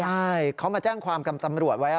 ใช่เขามาแจ้งความกับตำรวจไว้